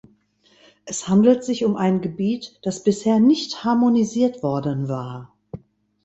Es handelt sich um ein Gebiet, das bisher nicht harmonisiert worden war.